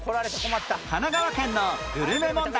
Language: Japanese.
神奈川県のグルメ問題